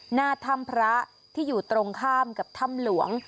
หน้าธรรมพระที่อยู่ตรงข้ามกับธรรมหลวง